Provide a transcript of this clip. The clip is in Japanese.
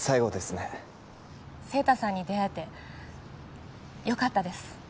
晴太さんに出会えてよかったです